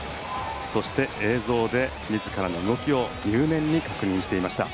そして、映像で自らの動きを入念に確認していました。